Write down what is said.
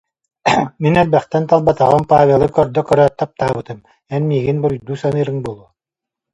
Мин элбэхтэн талбатаҕым, Павелы көрдө көрөөт таптаабытым, эн миигин буруйдуу саныырыҥ буолуо